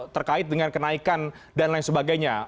terkait dengan kenaikan dan lain sebagainya